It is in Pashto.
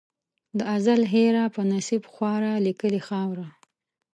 د ازل هېره په نصیب خواره لیکلې خاوره